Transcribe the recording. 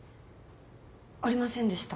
ありませんでした。